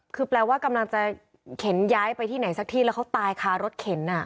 คือแปลว่ากำลังจะเข็นย้ายไปที่ไหนสักที่แล้วเขาตายคารถเข็น